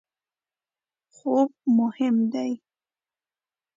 خوب مهم دی